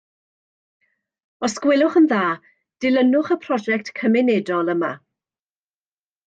Os gwelwch yn dda, dilynwch y prosiect cymunedol yma